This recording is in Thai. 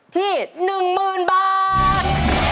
ที่หนึ่งมืนบาท